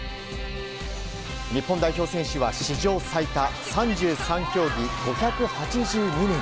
日本代表選手は史上最多３３競技５８２人。